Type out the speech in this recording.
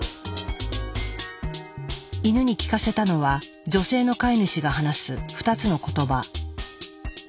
イヌに聞かせたのは女性の飼い主が話す２つの言葉。